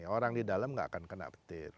orang di dalam gak akan kena petir